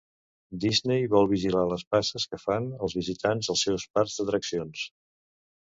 Disney vol vigilar les passes que fan els visitants als seus parcs d'atraccions.